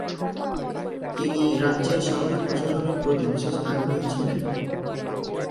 তিনি রাজ্যের সামরিক প্রশাসনের প্রতি বিশেষ আগ্রহী ছিলেন।